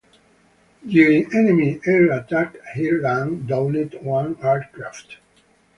During enemy air attack here "Lang" downed one aircraft.